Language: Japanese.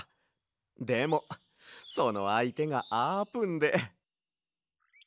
でもそのあいてがあーぷんで。